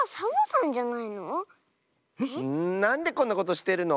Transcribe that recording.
んなんでこんなことしてるの？